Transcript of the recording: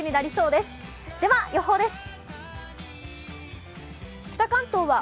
では予報です。